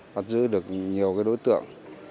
bắt giữ được nhiều đối tượng